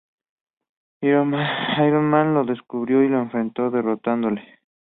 Iron Man lo descubrió y lo enfrentó, derrotándole.